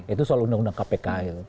itu soal undang undang kpk